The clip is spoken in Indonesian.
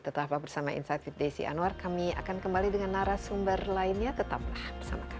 tetap bersama insight with desi anwar kami akan kembali dengan narasumber lainnya tetaplah bersama kami